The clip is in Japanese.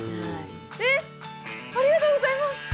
えっありがとうございます！